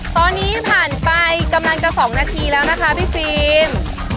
ตอนนี้ผ่านไปกำลังจะ๒นาทีแล้วนะคะพี่ฟิล์ม